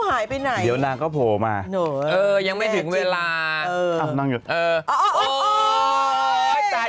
หายไปไหนเดี๋ยวนางก็โผล่มายังไม่ถึงเวลาอ๋อตาย